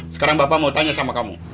sekarang bapak mau tanya sama kamu